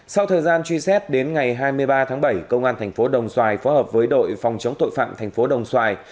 sau thời gian truy xét đến ngày hai mươi ba tháng bảy công an thành phố đồng xoài phó hợp với đội phòng chống tội phạm thành phố đồng xoài